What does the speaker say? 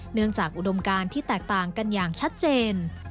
เนื่องจากอุดมการณ์ที่แตกต่างกันอย่างชัดเจน